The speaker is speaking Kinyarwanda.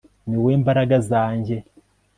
Ni wowe Mbaraga zanjye